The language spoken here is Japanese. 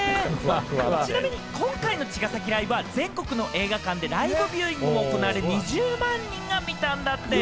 ちなみに今回の茅ヶ崎ライブは全国の映画館でライブビューイングも行われ、およそ２０万人が見たんだって。